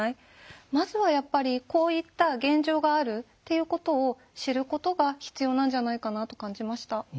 まずはやっぱりこういった現状があるっていうことを知ることが必要なんじゃないかなと感じました。